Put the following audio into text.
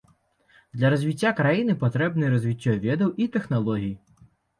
Для развіцця краіны патрэбныя развіццё ведаў і тэхналогій.